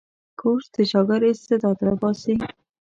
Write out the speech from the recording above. کورس د شاګرد استعداد راباسي.